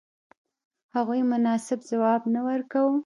هغوی مناسب ځواب نه ورکاوه.